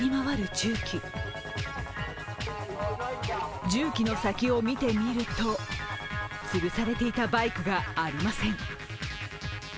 重機の先を見てみるとつるされていたバイクがありません。